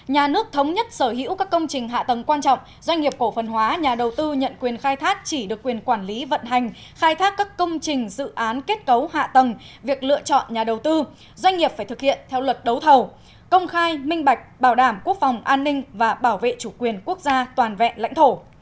hai mươi nhà nước thống nhất sở hữu các công trình hạ tầng quan trọng doanh nghiệp cổ phần hóa nhà đầu tư nhận quyền khai thác chỉ được quyền quản lý vận hành khai thác các công trình dự án kết cấu hạ tầng việc lựa chọn nhà đầu tư doanh nghiệp phải thực hiện theo luật đấu thầu